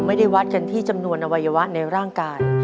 ไม่ได้วัดกันที่จำนวนอวัยวะในร่างกาย